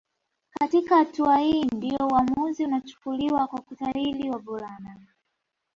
katika hatua hii ndio uamuzi unachukuliwa wa kutahiri wavulana